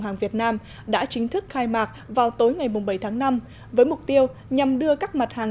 hàng việt nam đã chính thức khai mạc vào tối ngày bảy tháng năm với mục tiêu nhằm đưa các mặt hàng